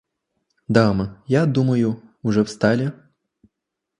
Дамы, я думаю, уже встали?